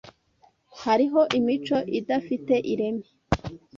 hariho imico idafite ireme